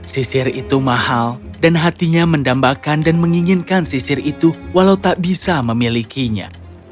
sisir itu mahal dan hatinya mendambakan dan menginginkan sisir itu walau tak bisa memilikinya